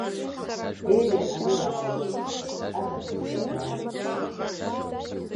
Ели ари аалгәаԥхеит, акыркырҳәа даарччеит.